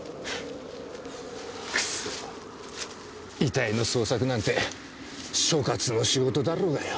クソ遺体の捜索なんて所轄の仕事だろうがよ。